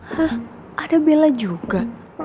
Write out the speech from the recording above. hah ada bella juga